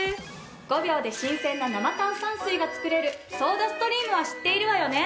５秒で新鮮な生炭酸水が作れるソーダストリームは知っているわよね？